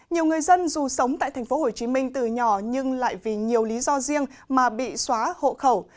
nhiều người dân dù sống tại tp hcm từ nhỏ nhưng lại vì nhiều lý do riêng mà bị xóa hộ khẩu